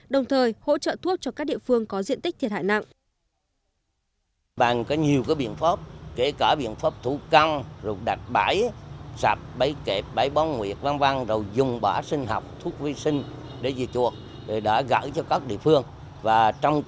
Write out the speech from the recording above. đồng thời hỗ trợ thuốc cho các địa phương có diện tích thiệt hại nặng